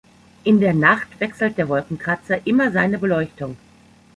In der Nacht wechselt der Wolkenkratzer immer seine Beleuchtung.